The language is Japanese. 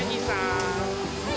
はい。